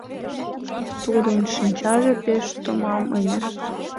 Тудын шинчаже пеш томам ыле.